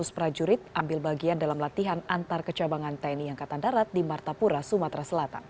lima ratus prajurit ambil bagian dalam latihan antar kecabangan tni angkatan darat di martapura sumatera selatan